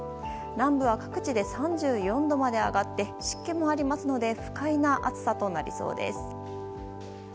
南部は各地で３４度まで上がって湿気もあるので不快な暑さとなりそうです。